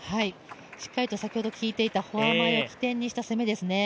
しっかりと先ほど効いていたフォア前を起点にした攻めですね。